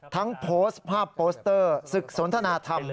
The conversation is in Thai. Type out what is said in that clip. โพสต์ภาพโปสเตอร์ศึกสนทนาธรรม